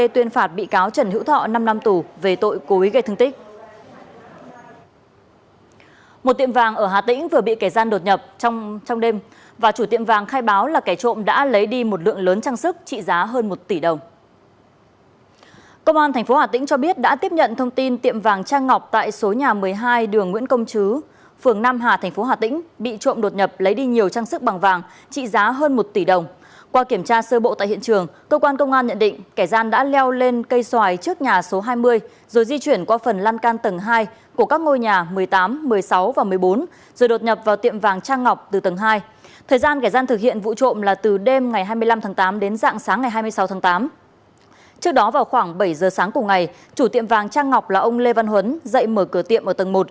trước đó vào khoảng bảy giờ sáng cùng ngày chủ tiệm vàng trang ngọc là ông lê văn huấn dậy mở cửa tiệm ở tầng một